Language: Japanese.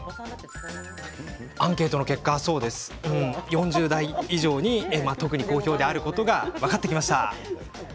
アンケートの結果、４０代以上に特に好評であることが分かりました。